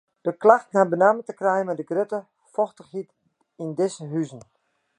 De klachten ha benammen te krijen mei de grutte fochtichheid yn dizze huzen.